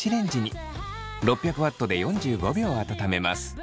６００Ｗで４５秒温めます。